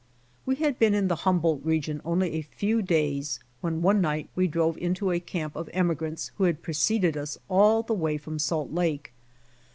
We had been in the Humboldt region only a few days, when one night we drove into a camp of emi grants who had preceded us all the_ way from Salt Lake.